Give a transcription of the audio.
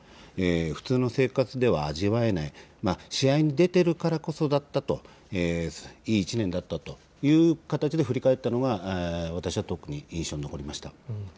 普通の生活では味わえない、試合に出ているからこそだったといい１年だったという形で振り返ったのが、私は特に印象に残りました。